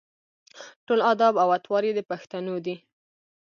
ټول اداب او اطوار یې د پښتنو دي.